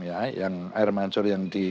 ya yang air mancur yang di